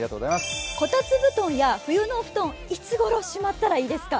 こたつ布団や冬の布団、いつごろしまったらいいですか？